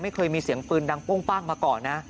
เคยมีเสียงปืนดังโป้งป้างมาก่อนนะ